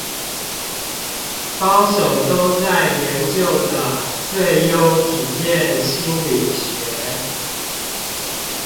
高手都在研究的最優體驗心理學